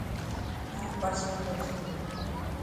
تايو پرس پيو هي.